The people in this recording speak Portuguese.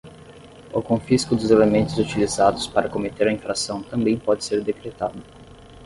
O confisco dos elementos utilizados para cometer a infração também pode ser decretado.